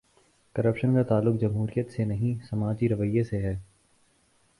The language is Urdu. کرپشن کا تعلق جمہوریت سے نہیں، سماجی رویے سے ہے۔